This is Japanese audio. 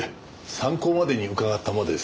参考までに伺ったまでです。